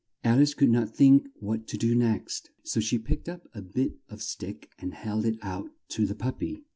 Al ice could not think what to do next, so she picked up a bit of stick and held it out to the pup py.